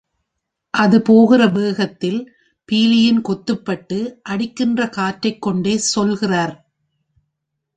அது போகிற வேகத்தில் பீலியின் கொத்துப்பட்டு அடிக்கின்ற காற்றைக் கொண்டே சொல்கிறார்.